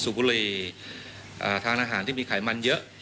บุรีทานอาหารที่มีไขมันเยอะ